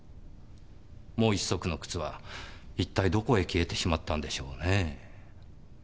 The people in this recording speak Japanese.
もう一足の靴は一体どこへ消えてしまったんでしょうね？